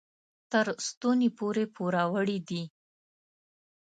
تر ستوني پورې پوروړي دي.